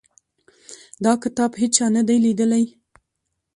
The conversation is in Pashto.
دا کتاب هیچا نه دی لیدلی.